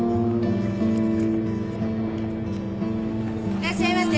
いらっしゃいませ！